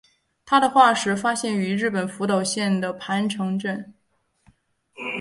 它的化石是发现于日本福岛县的磐城市。